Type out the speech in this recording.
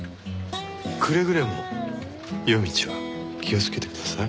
くれぐれも夜道は気をつけてください。